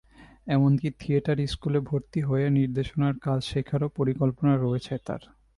এমনকি থিয়েটার স্কুলে ভর্তি হয়ে নির্দেশনার কাজ শেখারও পরিকল্পনা রয়েছে তাঁর।